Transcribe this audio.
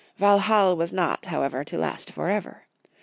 Valhall was not, however, to last for ever.